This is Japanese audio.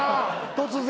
突然？